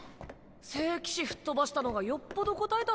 聖騎士吹っ飛ばしたのがよっぽどこたえたんだろ。